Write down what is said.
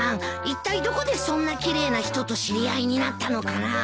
いったいどこでそんな奇麗な人と知り合いになったのかなぁ？